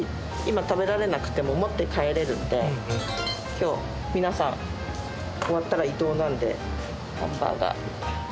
今日皆さん終わったら移動なのでハンバーガー。